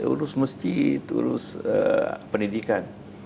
urus masjid urus pendidikan